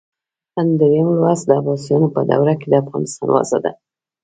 دریم لوست د عباسیانو په دوره کې د افغانستان وضع ده.